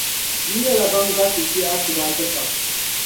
Yi nyɛla ban gariti kpe Asibaasi kam.